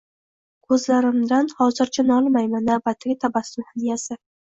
Ko’zlarimdan hozircha nolimayman navbatdagi tabassum hadyasi.